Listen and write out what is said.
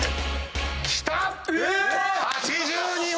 きた！